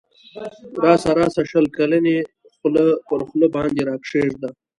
راسه راسه شل کلنی خوله پر خوله باندی را کښېږده